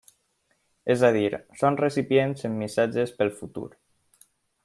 És a dir, són recipients amb missatges pel futur.